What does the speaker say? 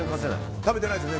食べてないですよね